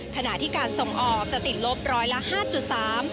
ขณะที่การส่งออกจะติดลบร้อยละ๕๓